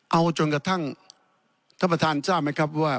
เอาจนกระทั่งท่านประธานทราบไหมครับว่า